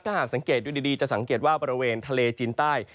ถ้าหากสังเกตดูดีจะสังเกตว่าบริเวณทะเลจีนใต้